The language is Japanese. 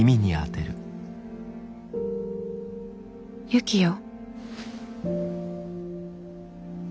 ユキよ。